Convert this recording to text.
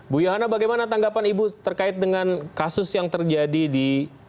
bu yohana bagaimana tanggapan ibu terkait dengan kasus yang terjadi di